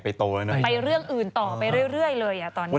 ไปเรื่องอื่นต่อไปเรื่อยเลย